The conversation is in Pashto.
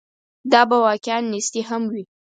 دا به واقعاً نیستي هم وي.